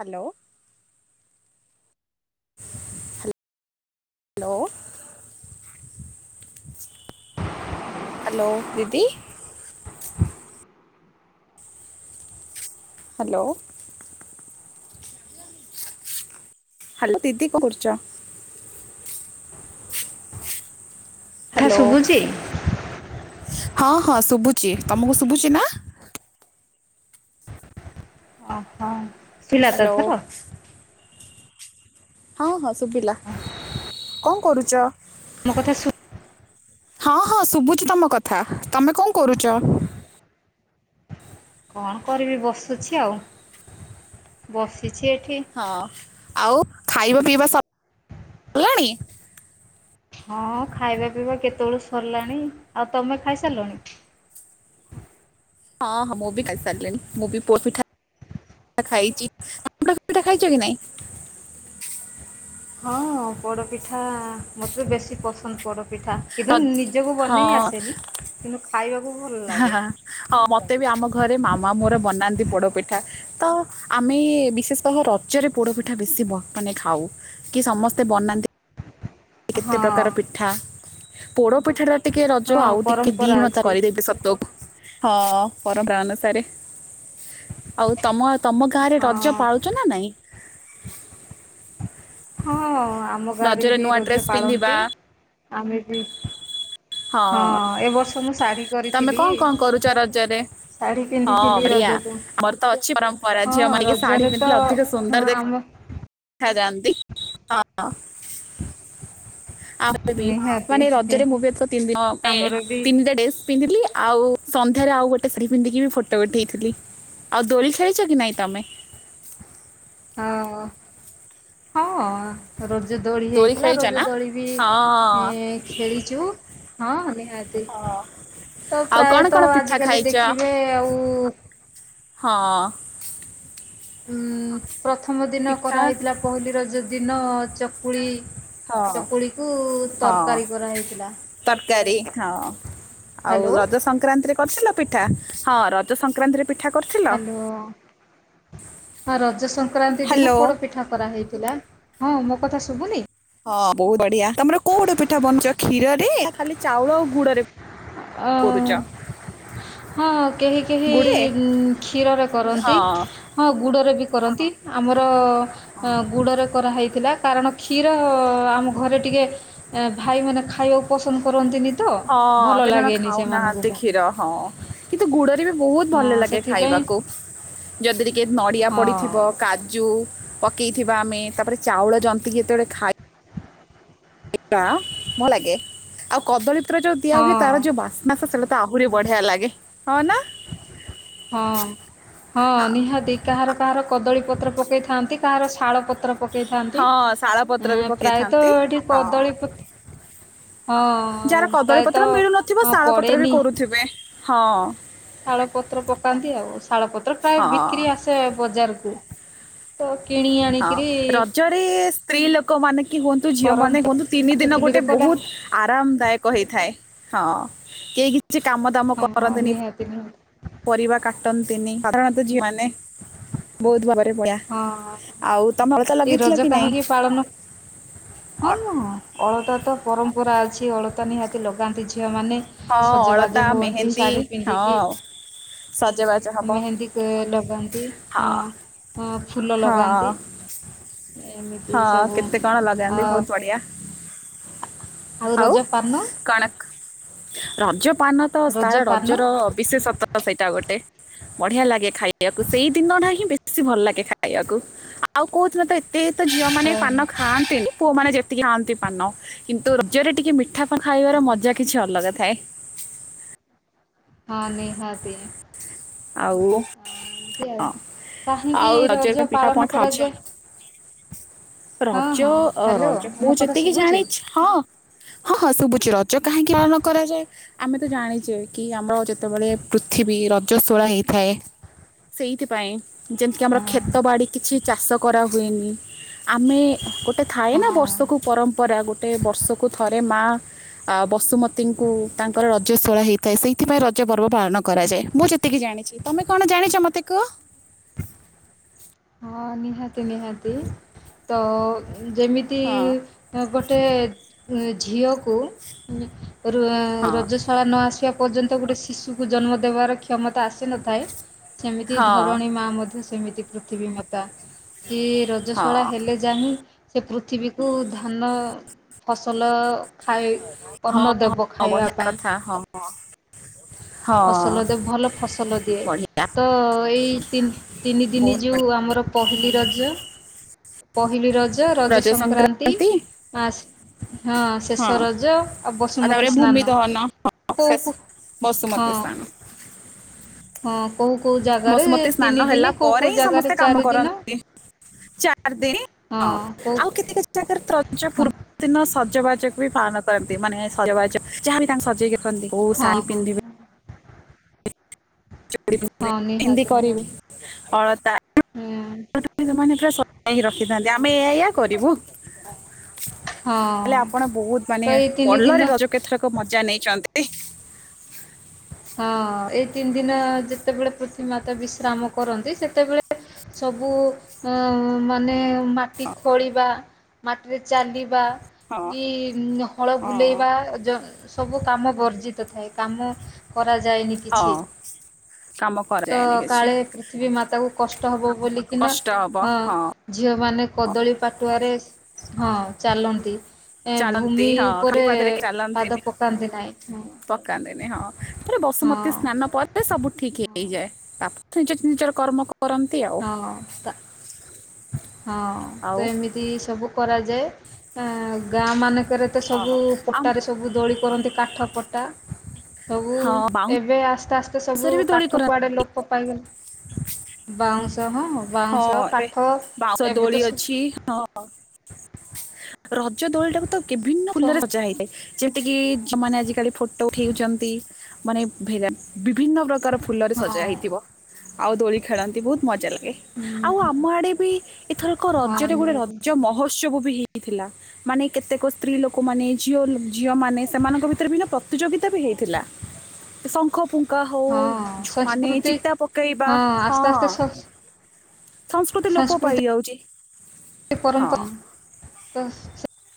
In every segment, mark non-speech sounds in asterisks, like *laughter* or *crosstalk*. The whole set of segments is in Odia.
ହ୍ୟାଲୋ। ହ୍ୟାଲୋ। *inaudible* ହ୍ୟାଲୋ, ଦିଦି। ହ୍ୟାଲୋ ହ୍ୟାଲୋ, ଦିଦି କଣ କରୁଚ? କଥା ହ୍ୟାଲୋ ଶୁଭୁଚି? ହଁ, ହଁ, ଶୁଭୁଛି ତମକୁ ଶୁଭୁଛି ନା? ଓହୋ, ଆସିଲା ତ ହ୍ୟାଲୋ ଏଥର? ହଁ ହଁ ଶୁଭିଲା, କଣ କରୁଚ? ମୋ କଥା ସୁ ହଁ ହଁ ଶୁଭୁଛିି ତମ କଥା ତମେ କଣ କରୁଛ? କଣ କରିବି ବସୁଛି ଆଉ ବସିଛି ଏଠି। ହଁ, ଆଉ ଖାଇବା ପିଇବା ସବୁ ସରିଲାଣି। ହଁ ଖାଇବା ପିଇବା କେତେବେଳୁ ସରିଲାଣି ଆଉ ତମେ ଖାଇସାରିଲଣି। ହଁ, ହଁ, ମୁଁ ବି ଖାଇ ସାରିଲିନି, ମୁଁ ବି ପୋଅ ପିଠା ଖାଇଛି, *unintelligible* ପିଠା ଖାଇଛ କି ନାଇଁ? ହଁ ପୋଡ଼ପିଠା ମୋତେ ତ ବେଶୀ ପସନ୍ଦ ପୋଡ଼ପିଠା। କିନ୍ତୁ ନିଜକୁ ବନେଇ ହଁ ଆସେନି କିନ୍ତୁ ଖାଇବାକୁ ଭଲ ହଁ ଲାଗେ। ହଁ, ମତେ ବି ଆମ ଘରେ ମାମା ମୋର ବନାନ୍ତି ପୋଡପିଠା। ତ ଆମେ ବିଶେଷତଃ ରଜରେ ପୋଡ ପିଠା ବେଶୀ ମାନେ ଖାଉ। କି ସମସ୍ତେ ବନାନ୍ତି କେତେ ହଁ ପ୍ରକାର ପିଠା, ପୋଡ଼ପିଠାଟା ଟିକେ ରଜ ହଁ ଆଉ ଟିକେ ପରମ୍ପରା ଦିଗୁଣ ଅଛି। କରିଦେବେ ସତକୁ ହଁ ପରମ୍ପରା ଅନୁସାରେ ଆଉ ତମ ତମ ଗାଁରେ ରଜ ହଁ ପାଳୁ *unintelligible* ନା ନାଇଁ ହଁ ଆମ ଗାଁରେ ରଜରେ ବି ନୂଆ ରଜ ଡ୍ରେସ ପିନ୍ଧିବା ପାଳନ୍ତି, ଆମେ ବି ହଁ, ଏ ବର୍ଷ ମୁଁ ଶାଢ଼ୀ ତମେ କରିଥିଲି। କଣ କଣ କରୁଛ ରଜରେ? ଶାଢ଼ୀ ହଁ ପିନ୍ଧିଥିଲି ବଢିଆ ରଜକୁ ଆମର ତ ଅଛି ପରମ୍ପରା ହଁ ଝିଅ ମାନେ ଟିକେ ଶାଢୀ ରଜରେ ତ ହଁ ଆମ ଯାଆନ୍ତି ହ ଆ ମାନେ ନିହାତି ରଜରେ ମୁଁ ବି ଏଥର ତିନି ଆମର ବି ତିନିଟା ଡେସ୍ ପିନ୍ଧିଲି ଆଉ ସନ୍ଧ୍ୟାରେ ଆଉ ଗୋଟେ ଶାଢୀ ପିନ୍ଧିକି ବି ଫୋଟୋ ଉଠେଇଥିଲି। ଆଉ ଦୋଳି ଖେଳିଛ କି ନାଇଁ ତମେ। ହଁ, ହଁ,। ରଜ ଦୋଳି ହେଇଥିଲା ଖେଳିଛ ରଜ ନା ଦୋଳି ବି ହଁ ଖେଳିଚୁ। ହଁ ନିହାତି, ହଁ ତ ଆଉ କଣ ପ୍ରାୟତଃ କଣ ପିଠା ଆଜିକାଲି ଖାଇଛ ଦେଖିବେ ଆଉ ହଁ। ପ୍ରଥମ ଦିନ ପିଠା କରାହୋଇଥିଲା ପହିଲି ରଜ ଦିନ ଚକୁଳି, ହଁ ଚକୁଳି କୁ ହଁ ତରକାରୀ କରାହେଇଥିଲା। ତରକାରୀ ହଁ, ଆଉ ହ୍ୟାଲୋ ରଜ ସଂ ସଂକ୍ରାନ୍ତିରେ କରିଥିଲ ପିଠା ହଁ ରଜ ସଂକ୍ରାନ୍ତିରେ ପି ହ୍ୟାଲୋ ହଁ ରଜ ସଂକ୍ରାନ୍ତି ଦିନ ହ୍ୟାଲୋ ପୋଡ ପିଠା କରାହେଇଥିଲା। ହଁ ମୋ କଥା ଶୁଭୁନି? ହଁ ବହୁତ ବଢିଆ, ତମର କୋଉ ପୋଡ ପିଠା ବନିଛ କ୍ଷୀରରେ ନା ଖାଲି ଚାଉଳ ଆଉ ଗୁଡ ରେ? ହଁ ହଁ କେହି କେହି ଗୁଡରେ କ୍ଷୀରରେ କରନ୍ତି। ହଁ ହଁ ଗୁଡ଼ରେ ବି କରନ୍ତି ଆମର ଗୁଡ଼ରେ କରାହୋଇଥିଲା। କାରଣ କ୍ଷୀର ଆମ ଘରେ ଟିକଏ ଭାଇମାନେ ଖାଇବାକୁ ପସନ୍ଦ କରନ୍ତିନି ତ। ହଁ। ଭଲ ହଁ କେତ ଜଣ ଲାଗେନି ଖାଉନାହାନ୍ତି ସେମାନଙ୍କୁ। କ୍ଷୀର ହଁ କିନ୍ତୁ ଗୁଡରେ ବି ବହୁତ ଭଲ ହଁ ଲାଗେ ସେଥିପାଇଁ ଖାଇବାକୁ। ଯଦି ଟିକ ନଡିଆ ହଁ ପଡିଥିବ କାଜୁ। ପକେଇଥିବା ଆମେ ତାପରେ ଚାଉଳ ଜନ୍ତିକି ଯେତେବେଳେ ଖାଇ। ଭଲ ଲାଗେ ଆଉ କଦଳୀ। ଯୋଉ ଦିଆ ହଏ ହଁ ତାର ଯୋଉ ବାସନାସ ସେଇଟା ତ ଆହୁରି ବଢିଆ ଲାଗେ ହଁ ନା। ହଁ ହଁ ଆ- ନିହା କାହାର କାହାର କଦଳୀ ପତ୍ର ପକେଇଥାନ୍ତି କାହାର ଶାଳ ପତ୍ର। ପକାଇଥାନ୍ତି ହଁ ଶାଳ ପତ୍ର ବି ପ୍ରାୟତଃ ପକେଇଥାନ୍ତି ଏଠି ହଁ କଦଳୀ। ଯାହାର ହଁଉ। କଦଳୀ ପତ୍ର ମିଳୁନଥିବ ଶାଳପତ୍ର ବି କରୁଥିବେ ହଁ। ଶାଳ ପତ୍ର ପକାନ୍ତି ଆଉ ଶାଳପତ୍ର ପ୍ରାୟ ହଁ ବିକ୍ରି ଆସେ ବଜାରକୁ। ତ କେ ହଁ ରଜରେ ସ୍ତ୍ରୀ ଲୋକ। ଲୋକ ମାନ କି ହୁଅନ୍ତୁ ଝିଅ ମାନେ କରନ୍ତି ହୁଅନ୍ତୁ ତିନି କାଠ ଦିନ ଗୋଟେ ଚୁଲିରେ କଲେ ବହୁତ। ଆରାମଦାୟକ ହେଇଥାଏ ହଁ କେହି କିଛି କାମ ଦାମ ହଁ ହଁ କରନ୍ତିନି। ନିହାତି ନିହାତି ପରିବା କାଟନ୍ତିନି ସାଧାରଣତ ଝିଅ ମାନେ ବହୁତ ଭାବରେ ପଳା। ହଁ ଏଇ ରଜ କି ନାଇଁ କାହିଁକି ପାଳନ। ହଁ ଅ- ହଁ ଅଳତା ତ ପରମ୍ପରା ଅଛି ଅଳତା ନିହାତି ଲଗାନ୍ତି। ଝିଅ ମାନେ ହଁ ଅଳତା ସଜବାଜ ହୁଅନ୍ତି ମେହେନ୍ଦୀ ଶାଢୀ ପିନ୍ଧିକି ହଁ ସଜବାଜ ହବ ମେହେନ୍ଦୀ ଲଗାନ୍ତି ହଁ ହ ଫୁଲ ହଁ ଲଗାନ୍ତି। ଏମିତି ହଁ ସବୁ କେତେ କହଣ ଲାଗଗ ଆ କନ୍ତି ବହୁତ ବଢିଆ। ଆଉ ରଜ ପାନ କଣକ ରଜ ପାନ। ତ ତାର ରଜ ପାନ ରଜର ବିଶେଷତ ସେଇଟା ଗୋଟେ ବଢ଼ିଆ ଲାଗେ ଖାଇବାକୁ ସେଇ ଦିନଟା ହିଁ ବେଶୀ ଭଲ ଲାଗେ ଖାଇବାକୁ। ଆଉ କହୁଥିଲ ତ ଏତେ ତ ଝିଅ ମାନ ପାନ ଖାଆନ୍ତିନି ପୁଅ ମାନେ ଯେତିକି ଖାଆନ୍ତି ପାନ କିନ୍ତୁ ରୁଜରେ ଟିକେ ମିଠା। ପିଠାପା ଖାଇବାର ମଜା ହଁ କିଛି ଅଲଗା ଥାଏ। ହଁ ନେହା ଏମିତି ଆଉ କାହିଁକି ଆଉ ରଜ ପିଠା ପାଳନ ପଣା ଖାଉଛେ। କରାଯାଏ ହଁ ରଜ ହଁ ହ୍ୟାଲୋ ରଜ ମୋ ମୁଁ କଥା ଯେତିକି ଶୁଭୁଛି? ଜାଣିଛି ହଁ। ହଁ ହଁ ଶୁଭୁଛି ରଜ କାହିଁକି ପାଳନ କରାଯାଏ। ଆମେ ତ ଜାଣିଛେ କି ଆମର ଯେତେବେଳେ ପୃଥିବୀ ରଜସ୍ୱୋଳା ହେଇଥାଏ। ସେଇଥିପାଇଁ। ଯେମିତି ଆମର କ୍େତ ବାଡ଼ି କିଛି ଚାଷ କରାହୁଏନି ଆମେ ଗୋଟେ ଥାଏ ହଁ ନା ହଁ। ବର୍ଷକୁ ପରମ୍ପରା ଗୋଟେ ବର୍ଷକୁ ଥରେ ମା ବସୁମତୀ। ଙ୍କୁ ତାଙ୍କର ର ରଜଶଳା ହେଇଥାଏ ସେଇଥିପାଇଁ ରଜ ପର୍ବ ପାଳନ କରାଯାଏ ମୁଁ ଯେତିକି ଜାଣିଛି ତମେ କଣ ଜାଣିଛ ମତେକୁ ହଁ ନିହାତି ନିହାତି ତ ଯେମିତି ହଁ ଗୋଟେ ଝିଅକୁ ହଁ ରଜ ଶଳା ନ ଆସିବା ପର୍ଯ୍ୟନ୍ତ ଗୋଟେ ଶିଶୁକୁ ଜନ୍ମ ଦେବାର କ୍ଷମତା ଆସିନଥାଏ। ସେମିତି ହଁ ଧରଣୀ ମା ମଧ୍ୟ ସେମିତି ପୃଥିବୀ ମାତା ସିଏ ହଁ ରଜଶାଳା ହେଲେ ଯା ହିଁ ସେ ପୃଥିବୀକୁ ଧାନ ଫସଲ। ଖାଇ ଅର୍ଣ୍ଣ ହଁ ଦେବ ହଁ ଖାଇବା ବଢିଆ ପାଇଁ। କଥା ହଁ *inaudible* ଫସଲ ଦେ ଭଲ ଫସଲ ଦିଏ ବଢିଆ ତ ଏଇ ତିନି ଦିନ ବହୁତ ବଢିଆ। ଯୋଉ ଆମର ପହି ର ପହି ର ରଜ ସଂକ୍ରାନ୍ତି। ମା ହଁ ହଁ ଶେଷ ରଜ ଆଉ ବସୁମତୀ ତାପରେ ଭୂମି ସ୍ନାନ। ଦହନ ହଁ ତ ଶେଷ ବସୁମତୀ ହଁ। ସ୍ନାନ ହଁ କୋଉ କୋଉ ଜାଗାରେ ବସୁମତୀ ତିନି ସ୍ନାନ ଦିନ ହେଲା କୋଉ ପରେ କୋଉ ହିଁ ଜାଗାରେ ସମସ୍ତେ କାମ ଚାରି ଦିନ କରାନ୍ତି। ଚାର ଦିନ ହଁ ଆଉ କେତେ କେ ହଁ ପୂର୍ବ *inaudible* ଦିନ ସଜବାଜକୁ ବି ପାଳନ କରନ୍ତି ମାନେ ସଜବାଜ ଯାହାବ ତାଙ୍କୁ ସଜେଇକିଖନ୍ତିୋଉ ହଁ ଶାଲ ହଁ ପିନ୍ଧିବେ ଚ ପନ୍ଧ ହଁ ହିନ୍ଦୀ ନିହାତି କରିବି ନିହାତି ହୁଁ *inaudible* ମାନେ ପୁରା ସଜେଇକି ରଖିଥାନ୍ତି ଆମେ ଏଇ ଏଇଆ କରିବୁ *inaudible* ହଁ ହେଲେ ଆପଣ ବହୁତ ମାନେ ତ ଏଇ ତିନି ଭଲରେ ଦିନ ରଜ କେତ୍ରକ ମଜା ନେଇଛନ୍ତି। ହଁ ଏଇ ତିନି ଦିନ ଯେତେବେଳେ ପୃଥିବୀ ମାତା ବିଶ୍ରାମ କରନ୍ତି ସେତେବେଳେ ସବୁ ମାନେ ମାଟି ଖୋଳିବା ମାଟିରେ ଚାଲିବା ହଁ କି ହଳ ହଁ ବୁଲେଇବା ସବୁ କାମ ବର୍ଜିତ ଥାଏ କାମ କରାଯାଏନି କିଛି, ହଁ କାମ ତ କରାଯାଏନି କିଛି କାଳେ ପୃଥିବୀ ମାତା କ କଷ୍ଟ ହବ ବୋଲିକି ନା କଷ୍ଟ ହବ ହଁ ଝିଅମାନେ କଦଳୀ ପାଟୁଆରେ ହଁ ଚାଲନ୍ତି। ଏ ଚାଲନ୍ତି ଭୂମି ହଁ ଖାଲି ଉପରେ ପାଦ ପକାନ୍ତି ନାହିଁ। ପକାନ୍ତିେନି ହଁ ରେ ହଁ ବସୁମତୀ ହଁ ସ୍ନାନ ପରେ ସବୁ ଠିକ୍ ହେଇଯାଏ ବାପ ନି ନିଜର କର୍ମ କରନ୍ତି ଆଉ ହଁ ତା ହଁ ଆଉ ତ ଏମିତି ସବୁ କରାଯାଏ, ଆଁ ଗାଁ ମାନଙ୍କରେ ତ ହଁ ସବୁ ଆମ୍- ପଟାରେ ସବୁ ଦୋଳି କରନ୍ତି କାଠ ପଟା। ସବୁ ହଁ ଏବେ ଆସ୍ତେ ଆସ୍ତେ ସବୁ ବାଉଁଶରେ ବି ଦୋଳି କାଠ କରନ୍ତି କୁଆଡେ ଲୋପ ପାଇଗଲେ *inaudible* ବାଉଁଶହ ହଁ ଏବେ ବାଉଁଶ ଦୋଳି ଅଛି। ହଁ ରଜ ଦୋଳି ଟାକୁ ତ ବିଭିନ୍ନ ସହ ଫୁଲରେ ସଜା ହେଇଥାଏ। ଯେମତି କିି ମାନେ ଆଜିକାଲି ଫଟୋ ଉଠେଇଉଛନ୍ତି ମାନେ ଭେରା ବିଭିନ୍ନ ପ୍ର କାର ଫୁଲରେ ହଁ। ସଜା ହେଇଥିବ, ଆଉ ଦୋଳି ଖେଳନ୍ତି ବହୁତ ମଜା ଲାଗେ। ଆଉ ଆମ ଆଡେ ବି ଏଥର ଏକ ହଁ ରଜରେ ଗୋଟେ ନିହାତି ରଜ ମହୋତ୍ସବ ବି ହେଇ ଥିଲା ମାନେ କେତେକ ସ୍ତ୍ରୀ ଲୋକ ମାନେ ଝିଅ ଝିଅ ମାନେ ସେମାନଙ୍କ ଭିତରେ ବି ନା ପ୍ରତିଯୋଗିତା ବି ହେଇଥିଲା ଶଙ୍ଖ ପୁଖ କା ହଉ ହଁ ମାନେ ସଂସ୍କୃତି ଚିତା ପକେଇବା ହଁ। ଆସ୍ତେ ଆସ୍ତେ ସଂସ୍କୃତି ଲୋପ ପାଇଯାଉଛି, ହଁ। ପରମ୍ପରା ତ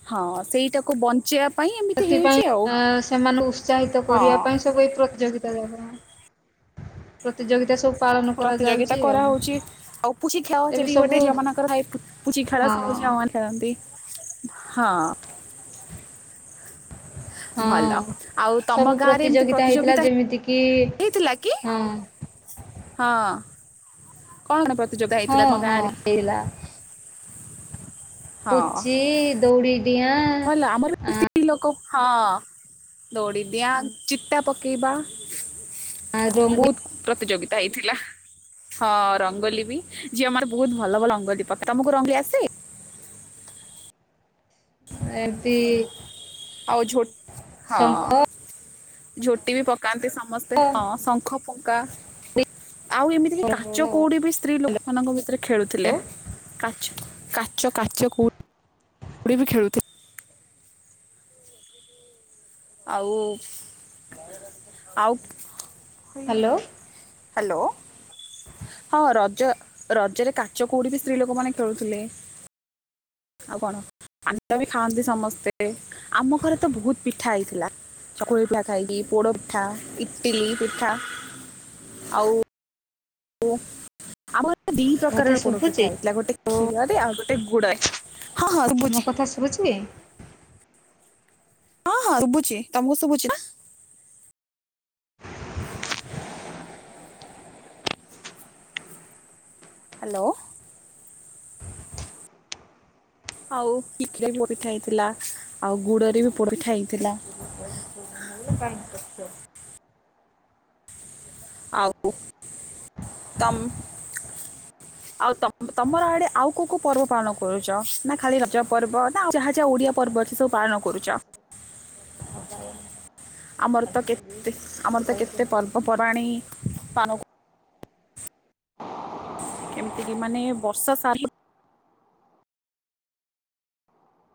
ହଁ ସେଇଟାକୁ ବଞ୍ଚେଇିବା ସେଥିପାଇଁ ସେମାନଙ୍କୁ ଉତ୍ସାହିତ ହଁ କରିବା ପାଇଁ ସବୁ ଏ ପ୍ରତିଯୋଗିତା ଯ ପ୍ରତିଯୋଗିତା ସବୁ ପାଳନ ପ୍ରତିଯୋଗିତା କରାଯାଉଛି ଆଉ କରାହଉଛି ଆଉ ପୁଚି ଖେଳ ଏବେ ସେଠି ସବୁ ଗୋଟେ ଝିଅମାନଙ୍କର ଥାଏ ପୁଚି ଖେଳ ହଁ ସବୁ ଝିଅ ମାନେ ଖେଳନ୍ତି ହଁ। ହଁ ଭଲ ଆଉ ତମ ସବୁ ଗାଁରେ ଏମିତି ପ୍ରତିଯୋଗିତା ହେଇଥିଲା ଯେମିତି କିି? ହେଇଥିଲା କି ଉଁ। ହଁ କଣ କଣ ପ୍ରତିଯୋଗିତା ହଁ ହେଇଥିଲା ତମ ହଁ ଗାଁ ରେ? ହଁ ପୁଚି ଦୌଡି ଡିଆଁ। ଭଲ ଆମର ଆ ଲୋକ ହଁ ଦୌଡିଦିଆ ଚିତା ପକେଇବା। ରଙ୍ଗୁ ବହୁତ ପ୍ରତିଯୋଗିତା ହେଇଥିଲା। ହଁ ରଙ୍ଗୋଲୀ ବି ଝିଅ ମାନେ ବହୁତ ଭଲ ଭଲ ରଙ୍ଗଲୀ ପକା ତମକୁ ରଙ୍ଗୋଲୀ ଆସେ? ଏମତି ଆଉ ଝୋ ହଁ ଝୋଟି ବି ପକାନ୍ତି ସମସ୍ତେ, ହଁ ଶଙ୍ଖ ଫୁଙ୍କା। ଆଉ ଏମିତି କି କାଚ ହ୍ୟାଲୋ କୋଉଡି ବି ସ୍ତ୍ରୀ ଲୋକ ମାନଙ୍କ ଭିତରେ ଖେଳୁଥିଲେ କାଚ, କାଚ କାଚ କୋ କଉଡି ବି ଖେଳୁଥିଲେ। ଆଉ ଆଉ ହ୍ୟାଲୋ! ହଁ, ରଜ ରଜରେ କାଚ କଉଡି ବି ସ୍ତ୍ରୀ ଲୋକମାନେ ଖେଳୁଥିଲେ। ଆଉ କଣ ପାନ ବି ଖାଆନ୍ତି ସମସ୍ତେ, ଆମ ଘରେ ତ ବହୁତ ପିଠା ହେଇଥିଲା। ଚକୁଳି ପିଠା ଖାଇଲି, ପୋଡ ପିଠା, ଇଟିଲି ପିଠା ଆଉ ଓ ଆମର ତ ଦି ମୋ କଥା ପ୍ରକାରର ପୋଡ଼ ଶୁଭୁଛି ପିଠା ହେଇଥିଲା ଗୋଟେ କ୍ଷୀରରେ ଆଉ ଗୋଟେ ଗୁଡରେ। ମୋ କଥା ଶୁଭୁଛି? ହଁ, ହଁ ଶୁଭୁଛି, ତମକୁ ଶୁଭୁଛି ନା? ହ୍ୟାଲୋ। ଆଉ *unintelligible* ବି ଗୋଟେ ପିଠା ହେଇଥିଲା ଆଉ ଗୁଡରେ ବି ପୋଡ଼ପିଠା ହେଇଥିଲା। *inaudible* ଆଉ ତମ୍ ଆଉ ତମ ତମର ଆଡେ ଆଉ କୋଉ କୋଉ ପର୍ବ ପାଳନ କରୁଛ? ନା ଖାଲି ରଜ ପର୍ବ ନା ଯାହା ଯାହା ଓଡିଆ ପର୍ବ ଅଛି ସବୁ ପାଳନ କରୁଛ। ଆମର ତ କେତେ ଆମର ତ କେତେ ପର୍ବପବାଣୀ ପାଳ ଏମିତି କି ମାନେ ବର୍ଷ ସା